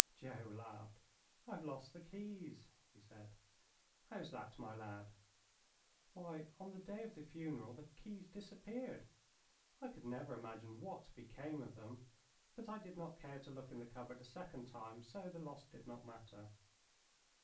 Joe laughed. "I've lost the keys," he said. "How's that, my lad?" "Why, on the day of the funeral the keys disappeared. I could never imagine what became of them. But I did not care to look in the cupboard a second time, so the loss did not matter."